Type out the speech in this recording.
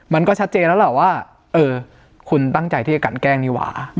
มันก็ชัดเจนแล้วแหละว่าเออคุณตั้งใจที่จะกันแกล้งนี่หว่า